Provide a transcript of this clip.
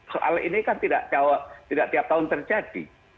soal ini kan tidak tiap tahun terjadi